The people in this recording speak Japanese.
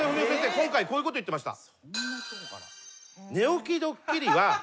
今回こういうこと言ってました。